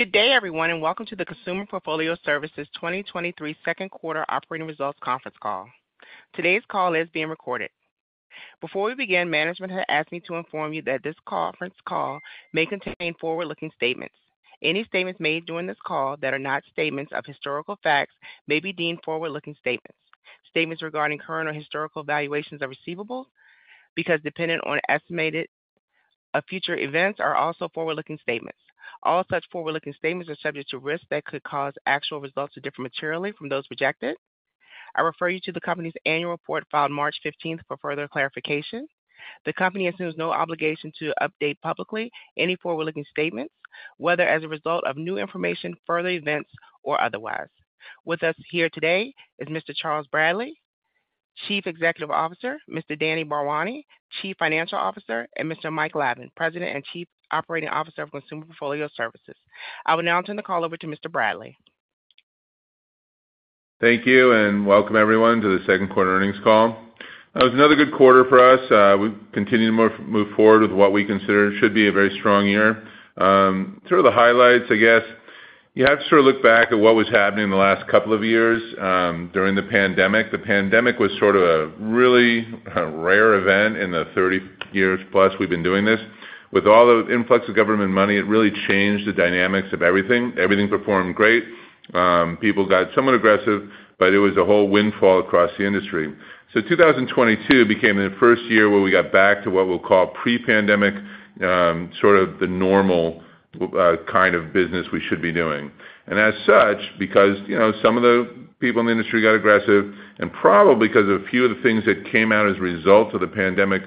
Good day, everyone, and welcome to the Consumer Portfolio Services 2023 second quarter operating results conference call. Today's call is being recorded. Before we begin, management has asked me to inform you that this conference call may contain forward-looking statements. Any statements made during this call that are not statements of historical facts may be deemed forward-looking statements. Statements regarding current or historical evaluations are receivable, because dependent on estimated future events are also forward-looking statements. All such forward-looking statements are subject to risks that could cause actual results to differ materially from those projected. I refer you to the company's annual report filed March 15th for further clarification. The company assumes no obligation to update publicly any forward-looking statements, whether as a result of new information, further events, or otherwise. With us here today is Mr. Charles Bradley, Chief Executive Officer, Mr. Danny Bharwani, Chief Financial Officer, and Mr. Mike Lavin, President and Chief Operating Officer of Consumer Portfolio Services. I will now turn the call over to Mr. Bradley. Thank you. Welcome everyone to the second quarter earnings call. It was another good quarter for us. We continue to move, move forward with what we consider should be a very strong year. Sort of the highlights, I guess, you have to sort of look back at what was happening in the last couple of years during the pandemic. The pandemic was sort of a really rare event in the 30+ years we've been doing this. With all the influx of government money, it really changed the dynamics of everything. Everything performed great. People got somewhat aggressive, but it was a whole windfall across the industry. 2022 became the first year where we got back to what we'll call pre-pandemic, sort of the normal kind of business we should be doing. As such, because, you know, some of the people in the industry got aggressive, and probably 'cause a few of the things that came out as a result of the pandemic,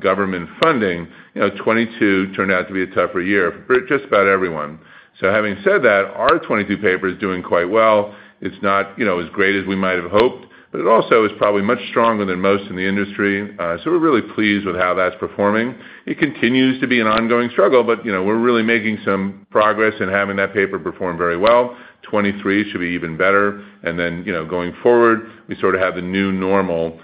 government funding, you know, 2022 turned out to be a tougher year for just about everyone. Having said that, our 2022 paper is doing quite well. It's not, you know, as great as we might have hoped, but it also is probably much stronger than most in the industry. So we're really pleased with how that's performing. It continues to be an ongoing struggle, but, you know, we're really making some progress in having that paper perform very well. 2023 should be even better. Then, you know, going forward, we sort of have the new normal,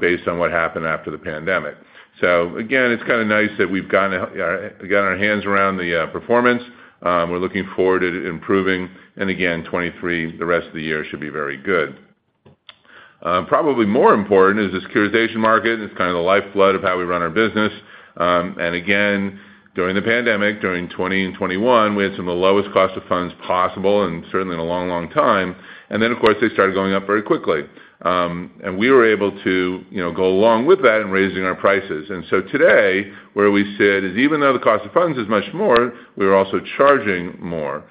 based on what happened after the pandemic. Again, it's kind of nice that we've gotten our, we got our hands around the performance. We're looking forward to it improving, and again, 2023, the rest of the year should be very good. Probably more important is the securitization market. It's kind of the lifeblood of how we run our business. Again, during the pandemic, during 2020 and 2021, we had some of the lowest cost of funds possible, and certainly in a long, long time. Then, of course, they started going up very quickly. We were able to, you know, go along with that in raising our prices. Today, where we sit, is even though the cost of funds is much more, we're also charging more.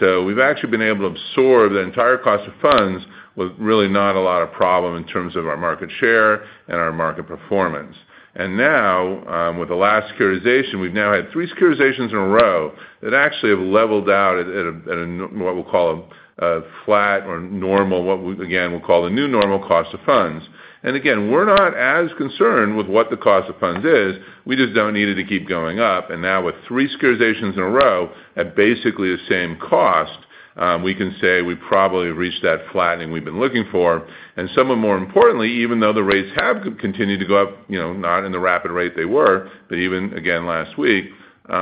So we've actually been able to absorb the entire cost of funds with really not a lot of problem in terms of our market share and our market performance. Now, with the last securitization, we've now had three securitizations in a row that actually have leveled out at a, at a, what we'll call a, a flat or normal, what we again, we'll call the new normal cost of funds. Again, we're not as concerned with what the cost of funds is, we just don't need it to keep going up. Now with three securitizations in a row at basically the same cost, we can say we've probably reached that flattening we've been looking for. Somewhat more importantly, even though the rates have continued to go up, you know, not in the rapid rate they were, but even again last week, you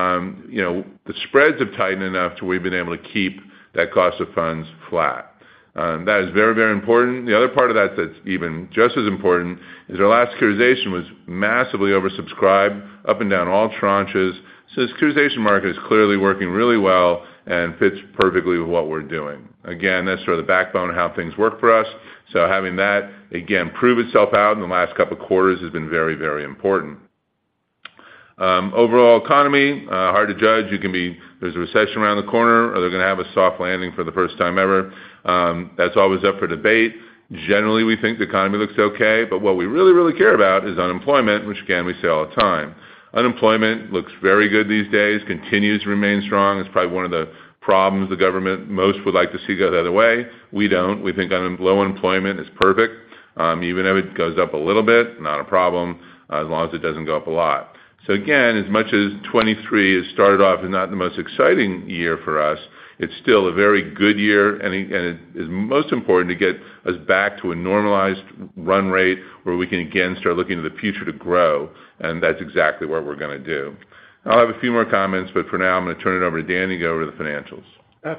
know, the spreads have tightened enough to we've been able to keep that cost of funds flat. That is very, very important. The other part of that that's even just as important, is our last securitization was massively oversubscribed up and down all tranches. The securitization market is clearly working really well and fits perfectly with what we're doing. Again, that's sort of the backbone of how things work for us. Having that again, prove itself out in the last couple of quarters has been very, very important. Overall economy, hard to judge. There's a recession around the corner, or they're gonna have a soft landing for the first time ever. That's always up for debate. Generally, we think the economy looks okay. What we really, really care about is unemployment, which again, we say all the time. Unemployment looks very good these days, continues to remain strong. It's probably one of the problems the government most would like to see go the other way. We don't. We think low employment is perfect. Even if it goes up a little bit, not a problem, as long as it doesn't go up a lot. Again, as much as 2023 has started off as not the most exciting year for us, it's still a very good year, and it is most important to get us back to a normalized run rate where we can again start looking to the future to grow, and that's exactly what we're gonna do. I'll have a few more comments, but for now I'm gonna turn it over to Danny to go over the financials.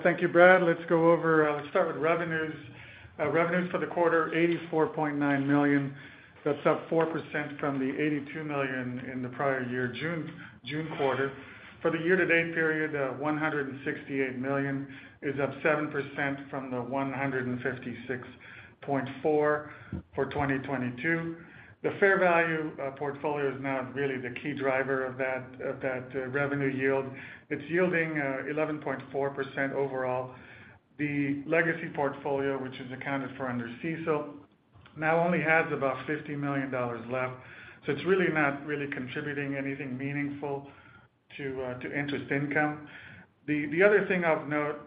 Thank you, Brad. Let's go over, let's start with revenues. Revenues for the quarter, $84.9 million. That's up 4% from the $82 million in the prior year, June, June quarter. For the year-to-date period, $168 million, is up 7% from the $156.4 million for 2022. The fair value portfolio is now really the key driver of that, of that, revenue yield. It's yielding 11.4% overall. The legacy portfolio, which is accounted for under CECL, now only has about $50 million left. It's really not really contributing anything meaningful to, to interest income. The, the other thing I'll note,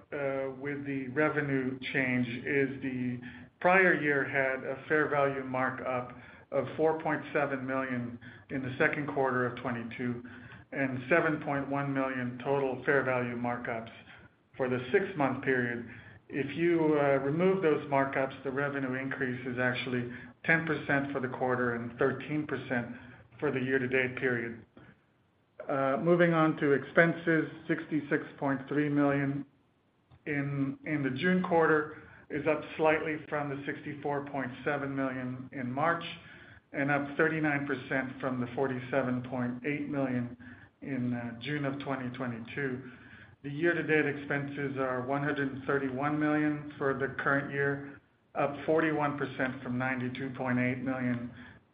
with the revenue change is the prior year had a fair value markup of $4.7 million in the second quarter of 2022, and $7.1 million total fair value markups for the six-month period. If you remove those markups, the revenue increase is actually 10% for the quarter and 13% for the year-to-date period. Moving on to expenses, $66.3 million in, in the June quarter is up slightly from the $64.7 million in March, and up 39% from the $47.8 million in June of 2022. The year-to-date expenses are $131 million for the current year, up 41% from $92.8 million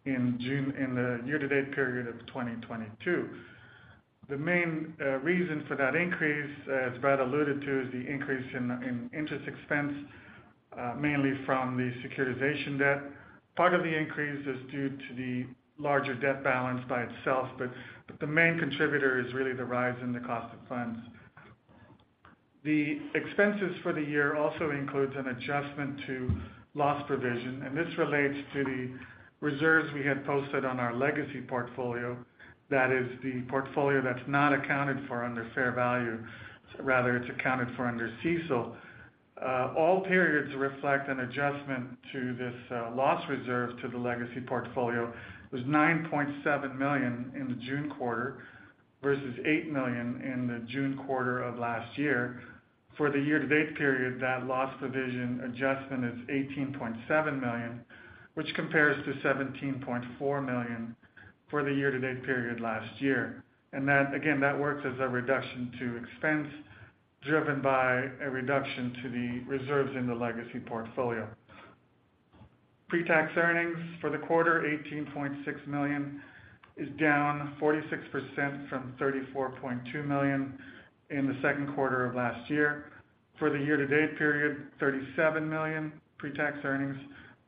in the year-to-date period of 2022. The main reason for that increase, as Brad alluded to, is the increase in, in interest expense, mainly from the securitization debt. Part of the increase is due to the larger debt balance by itself, but, but the main contributor is really the rise in the cost of funds. The expenses for the year also includes an adjustment to loss provision, and this relates to the reserves we had posted on our legacy portfolio. That is the portfolio that's not accounted for under fair value, rather, it's accounted for under CECL. All periods reflect an adjustment to this loss reserve to the legacy portfolio. It was $9.7 million in the June quarter, versus $8 million in the June quarter of last year. For the year-to-date period, that loss provision adjustment is $18.7 million, which compares to $17.4 million for the year-to-date period last year. That, again, that works as a reduction to expense, driven by a reduction to the reserves in the legacy portfolio. Pre-tax earnings for the quarter, $18.6 million, is down 46% from $34.2 million in the second quarter of last year. For the year-to-date period, $37 million pre-tax earnings,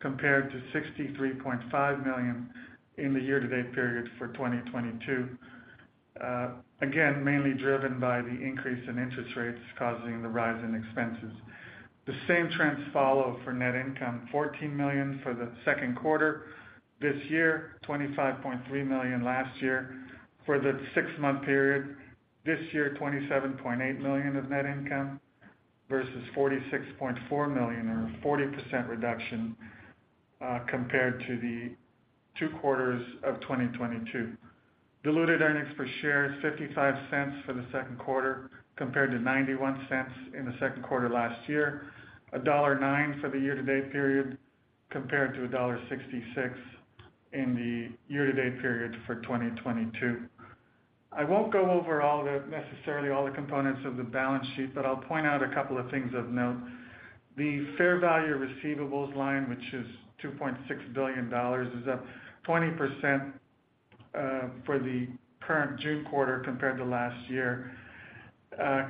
compared to $63.5 million in the year-to-date period for 2022. Again, mainly driven by the increase in interest rates causing the rise in expenses. The same trends follow for net income, $14 million for the second quarter this year, $25.3 million last year. For the six-month period this year, $27.8 million of net income, versus $46.4 million, or a 40% reduction, compared to the two quarters of 2022. Diluted earnings per share is $0.55 for the second quarter, compared to $0.91 in the second quarter last year. $1.09 for the year-to-date period, compared to $1.66 in the year-to-date period for 2022. I won't go over necessarily all the components of the balance sheet, but I'll point out a couple of things of note. The fair value receivables line, which is $2.6 billion, is up 20%, for the current June quarter compared to last year.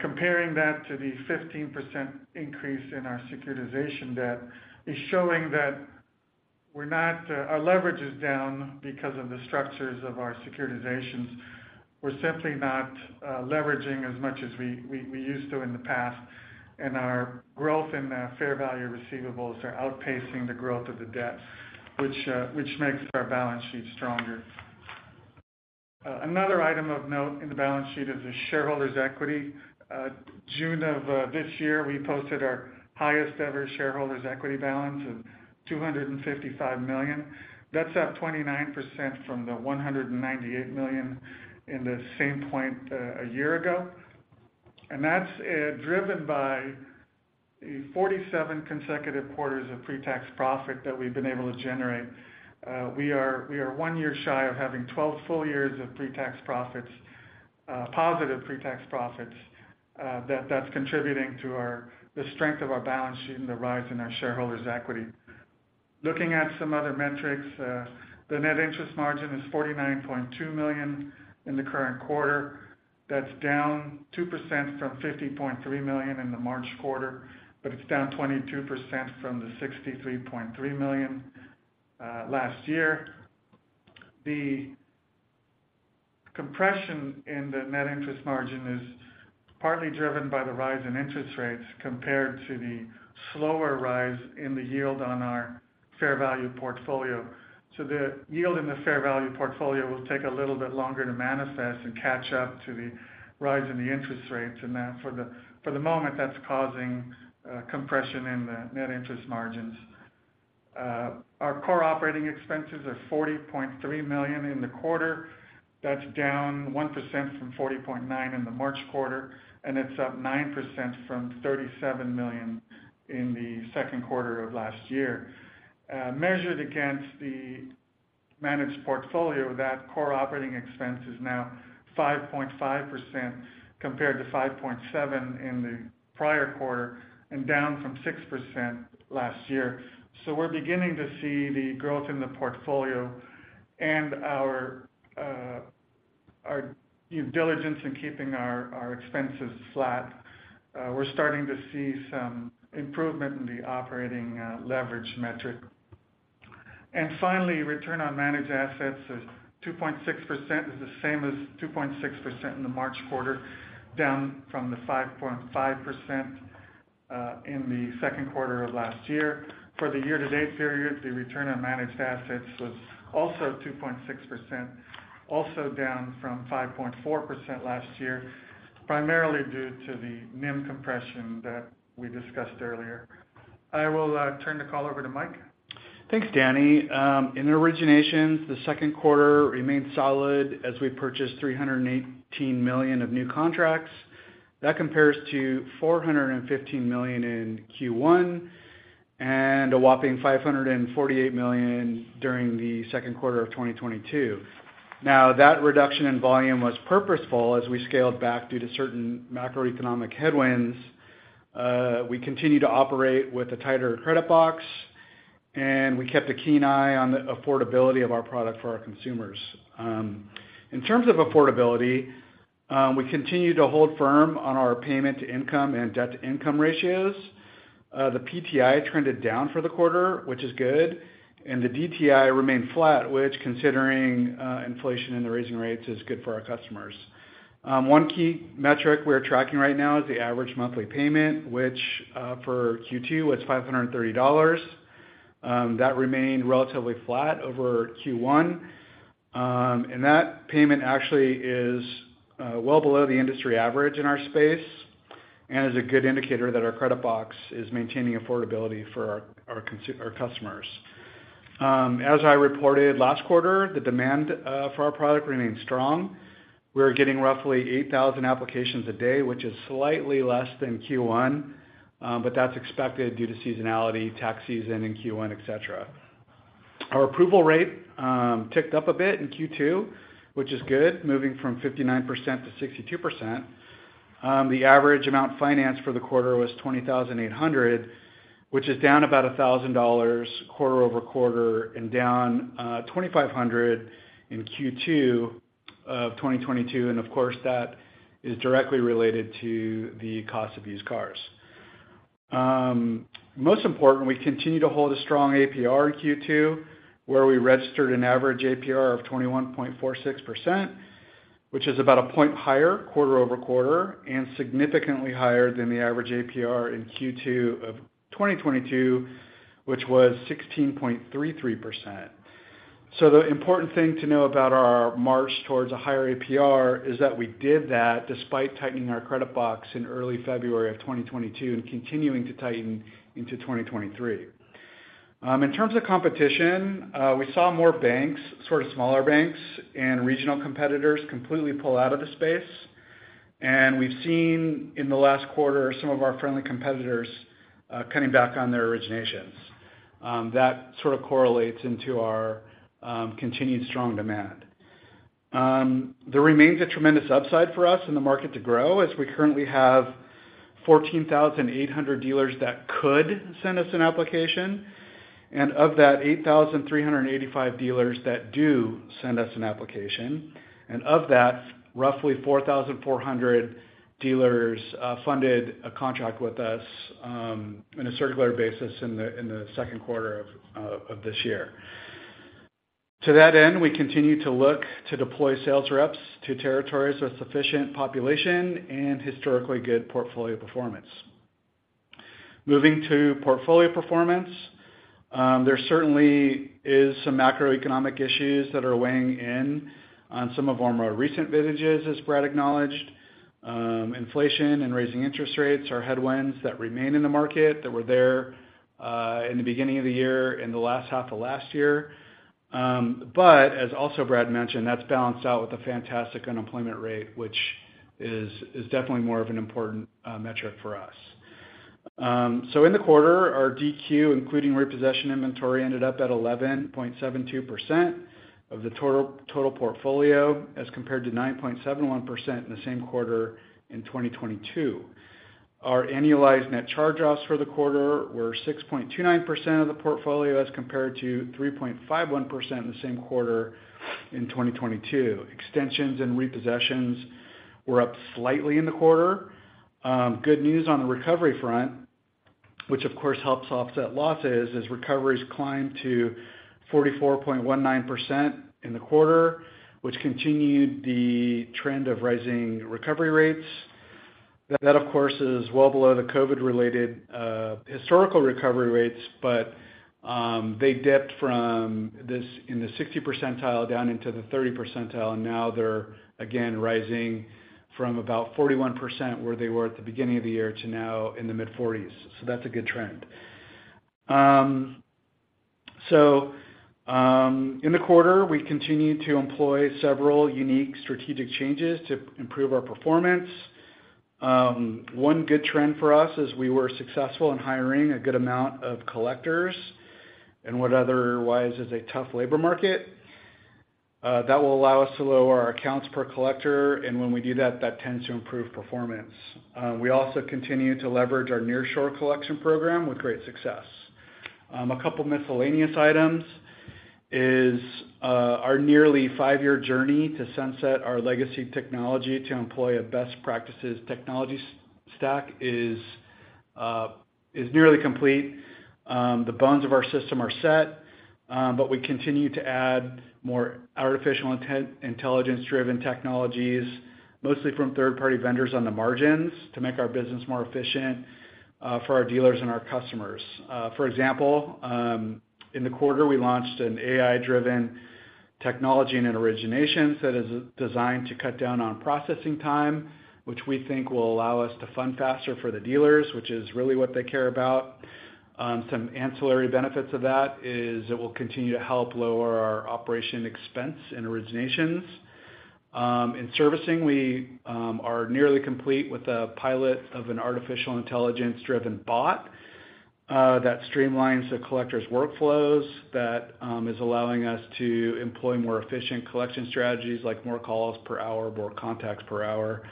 Comparing that to the 15% increase in our securitization debt, is showing that we're not, our leverage is down because of the structures of our securitizations. We're simply not leveraging as much as we, we, we used to in the past, and our growth in the fair value receivables are outpacing the growth of the debt, which makes our balance sheet stronger. Another item of note in the balance sheet is the shareholders' equity. June of this year, we posted our highest ever shareholders' equity balance of $255 million. That's up 29% from the $198 million in the same point a year ago. That's driven by the 47 consecutive quarters of pretax profit that we've been able to generate. We are, we are one year shy of having 12 full years of pretax profits, positive pretax profits, that's contributing to our, the strength of our balance sheet and the rise in our shareholders' equity. Looking at some other metrics, the net interest margin is $49.2 million in the current quarter. That's down 2% from $50.3 million in the March quarter, but it's down 22% from the $63.3 million last year. The compression in the net interest margin is partly driven by the rise in interest rates, compared to the slower rise in the yield on our fair value portfolio. The yield in the fair value portfolio will take a little bit longer to manifest and catch up to the rise in the interest rates, and for the moment, that's causing compression in the net interest margins. Our core operating expenses are $40.3 million in the quarter. That's down 1% from $40.9 million in the March quarter, and it's up 9% from $37 million in the second quarter of last year. Measured against the managed portfolio, that core operating expense is now 5.5%, compared to 5.7% in the prior quarter, and down from 6% last year. We're beginning to see the growth in the portfolio and our, our due diligence in keeping our, our expenses flat. We're starting to see some improvement in the operating leverage metric. Finally, return on managed assets is 2.6%, is the same as 2.6% in the March quarter, down from the 5.5% in the second quarter of last year. For the year-to-date period, the return on managed assets was also 2.6%, also down from 5.4% last year, primarily due to the NIM compression that we discussed earlier. I will turn the call over to Mike. Thanks, Danny. In originations, the second quarter remained solid as we purchased $318 million of new contracts. That compares to $415 million in Q1, and a whopping $548 million during the second quarter of 2022. That reduction in volume was purposeful as we scaled back due to certain macroeconomic headwinds. We continued to operate with a tighter credit box, and we kept a keen eye on the affordability of our product for our consumers. In terms of affordability, we continued to hold firm on our payment-to-income and debt-to-income ratios. The PTI trended down for the quarter, which is good, and the DTI remained flat, which, considering inflation and the raising rates, is good for our customers. One key metric we're tracking right now is the average monthly payment, which for Q2, was $530. That remained relatively flat over Q1. And that payment actually is well below the industry average in our space, and is a good indicator that our credit box is maintaining affordability for our customers. As I reported last quarter, the demand for our product remained strong. We're getting roughly 8,000 applications a day, which is slightly less than Q1, but that's expected due to seasonality, tax season in Q1, et cetera. Our approval rate ticked up a bit in Q2, which is good, moving from 59%-62%. The average amount financed for the quarter was $20,800, which is down about $1,000 quarter-over-quarter, and down $2,500 in Q2 of 2022. That is directly related to the cost of used cars. Most important, we continue to hold a strong APR in Q2, where we registered an average APR of 21.46%, which is about a point higher quarter-over-quarter, and significantly higher than the average APR in Q2 of 2022, which was 16.33%. The important thing to know about our march towards a higher APR is that we did that despite tightening our credit box in early February of 2022 and continuing to tighten into 2023. In terms of competition, we saw more banks, sort of smaller banks and regional competitors, completely pull out of the space. We've seen in the last quarter, some of our friendly competitors, cutting back on their originations. That sort of correlates into our continued strong demand. There remains a tremendous upside for us in the market to grow, as we currently have 14,800 dealers that could send us an application, and of that, 8,385 dealers that do send us an application. Of that, roughly 4,400 dealers, funded a contract with us, on a regular basis in the, in the second quarter of this year. To that end, we continue to look to deploy sales reps to territories with sufficient population and historically good portfolio performance. Moving to portfolio performance, there certainly is some macroeconomic issues that are weighing in on some of our more recent vintages, as Brad acknowledged. Inflation and raising interest rates are headwinds that remain in the market, that were there, in the beginning of the year and the last half of last year. As also Brad mentioned, that's balanced out with a fantastic unemployment rate, which is definitely more of an important metric for us. In the quarter, our DQ, including repossession inventory, ended up at 11.72% of the total portfolio, as compared to 9.71% in the same quarter in 2022. Our annualized net charge-offs for the quarter were 6.29% of the portfolio, as compared to 3.51% in the same quarter in 2022. Extensions and repossessions were up slightly in the quarter. Good news on the recovery front, which of course helps offset losses, as recoveries climbed to 44.19% in the quarter, which continued the trend of rising recovery rates. That, of course, is well below the COVID-related historical recovery rates, but they dipped from this, in the 60 percentile down into the 30 percentile, and now they're again rising from about 41%, where they were at the beginning of the year, to now in the mid-40s. That's a good trend. In the quarter, we continued to employ several unique strategic changes to improve our performance. One good trend for us is we were successful in hiring a good amount of collectors in what otherwise is a tough labor market. That will allow us to lower our accounts per collector, and when we do that, that tends to improve performance. We also continue to leverage our nearshore collection program with great success. A couple miscellaneous items is, our nearly five-year journey to sunset our legacy technology to employ a best practices technology stack is nearly complete. The bones of our system are set, but we continue to add more artificial intelligence-driven technologies, mostly from third-party vendors on the margins, to make our business more efficient for our dealers and our customers. For example, in the quarter, we launched an AI-driven technology and in originations that is designed to cut down on processing time, which we think will allow us to fund faster for the dealers, which is really what they care about. some ancillary benefits of that is it will continue to help lower our operating expense in originations. In servicing, we are nearly complete with a pilot of an artificial intelligence-driven bot, that streamlines the collectors' workflows, that is allowing us to employ more efficient collection strategies, like more calls per hour, more contacts per hour,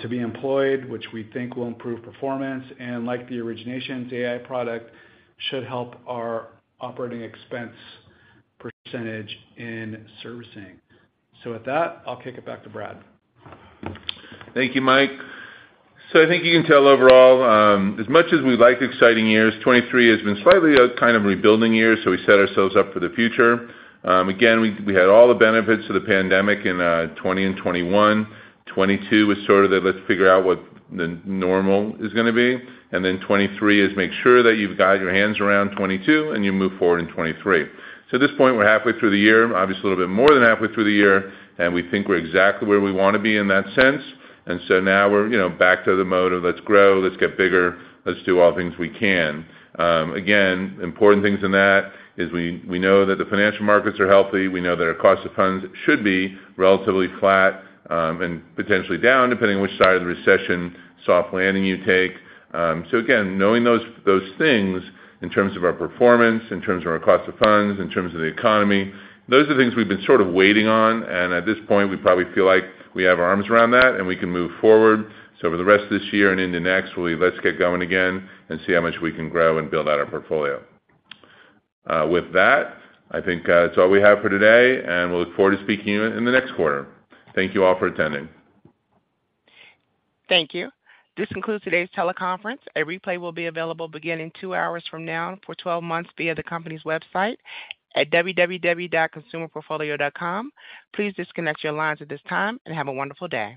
to be employed, which we think will improve performance, and like the originations AI product should help our operating expense percentage in servicing. With that, I'll kick it back to Brad. Thank you, Mike. I think you can tell overall, as much as we like exciting years, 2023 has been slightly a kind of rebuilding year, so we set ourselves up for the future. Again, we, we had all the benefits of the pandemic in 2020 and 2021. 2022 was sort of the let's figure out what the normal is gonna be, and then 2023 is make sure that you've got your hands around 2022 and you move forward in 2023. At this point, we're halfway through the year, obviously, a little bit more than halfway through the year, and we think we're exactly where we want to be in that sense. Now we're, you know, back to the mode of let's grow, let's get bigger, let's do all things we can. Again, important things in that is we, we know that the financial markets are healthy. We know that our cost of funds should be relatively flat, and potentially down, depending on which side of the recession, soft landing you take. Again, knowing those, those things in terms of our performance, in terms of our cost of funds, in terms of the economy, those are the things we've been sort of waiting on, and at this point, we probably feel like we have our arms around that, and we can move forward. For the rest of this year and into next, we let's get going again and see how much we can grow and build out our portfolio. With that, I think, that's all we have for today, and we look forward to speaking to you in the next quarter. Thank you all for attending. Thank you. This concludes today's teleconference. A replay will be available beginning 2 hours from now for 12 months via the company's website at www.consumerportfolio.com. Please disconnect your lines at this time and have a wonderful day.